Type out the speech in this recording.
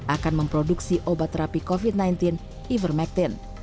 akan memproduksi obat terapi covid sembilan belas ivermectin